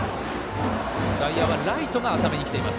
外野はライトが浅めにきています。